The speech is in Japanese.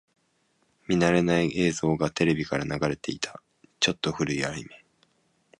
見慣れない映像がテレビから流れていた。ちょっと古いアニメ。